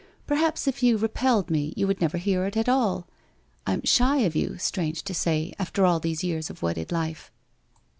Perhaps if you repelled me you would never hear it at all ? I am shy of you, strange to say, after all these years of wedded life.'